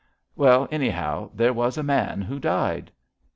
Well, anyhow, there was a man who died.''